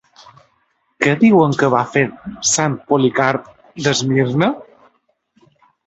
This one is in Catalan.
Què diuen que va fer Sant Policarp d'Esmirna?